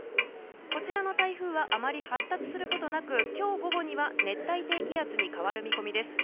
こちらの台風はあまり発達することなく今日午後には熱帯低気圧に変わる見込みです。